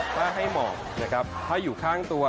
ถ้าให้หมอกนะครับถ้าอยู่ข้างตัว